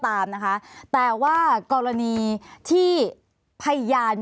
ภารกิจสรรค์ภารกิจสรรค์